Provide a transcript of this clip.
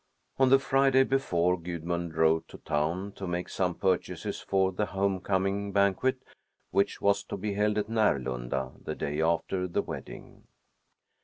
On the Friday before, Gudmund drove to town to make some purchases for the home coming banquet, which was to be held at Närlunda the day after the wedding.